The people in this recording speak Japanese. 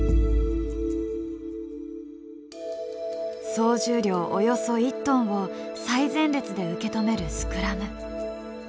総重量およそ１トンを最前列で受け止めるスクラム。